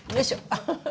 アハハ。